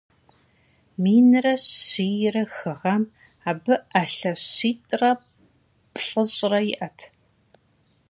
Минрэ щийрэ хы гъэм абы ӏэлъэ щитӏрэ плӏыщӏрэ иӏэт.